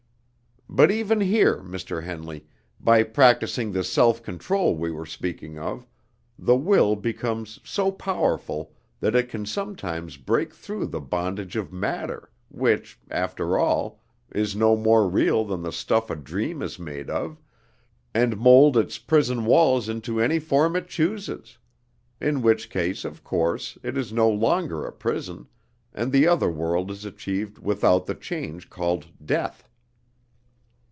But even here, Mr. Henley, by practicing the self control we were speaking of, the will becomes so powerful that it can sometimes break through the bondage of matter, which, after all, is no more real than the stuff a dream is made of, and mold its prison walls into any form it chooses; in which case, of course, it is no longer a prison, and the other world is achieved without the change called death!"